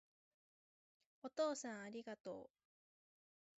お父さんありがとう